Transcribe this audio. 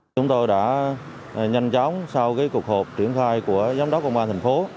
chúng tôi đã nhanh chóng sau cuộc họp triển khai của giám đốc công an thành phố